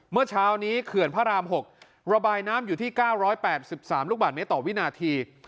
เมื่อเช้านี้เขื่อนพระรามหกระบายน้ำอยู่ที่เก้าร้อยแปดสิบสามลูกบาทเมตรต่อวินาที